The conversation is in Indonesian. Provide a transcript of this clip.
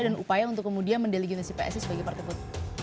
dan upaya untuk kemudian mendeligitimasi psi sebagai partai bud